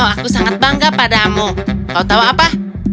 aku sangat bangga padamu kau tahu apa